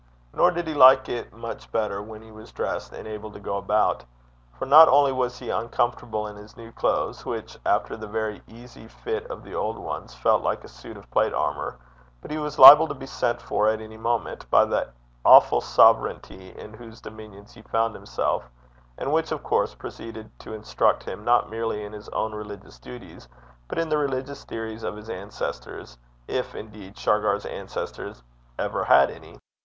Nor did he like it much better when he was dressed, and able to go about; for not only was he uncomfortable in his new clothes, which, after the very easy fit of the old ones, felt like a suit of plate armour, but he was liable to be sent for at any moment by the awful sovereignty in whose dominions he found himself, and which, of course, proceeded to instruct him not merely in his own religious duties, but in the religious theories of his ancestors, if, indeed, Shargar's ancestors ever had any.